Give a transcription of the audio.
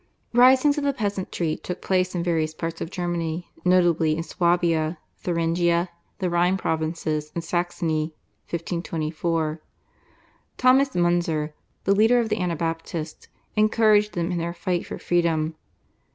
Risings of the peasantry took place in various parts of Germany, notably in Swabia, Thuringia, the Rhine Provinces, and Saxony (1524). Thomas Munzer, the leader of the Anabaptists, encouraged them in their fight for freedom.